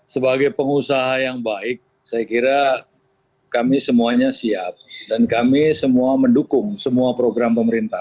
sebagai pengusaha yang baik saya kira kami semuanya siap dan kami semua mendukung semua program pemerintah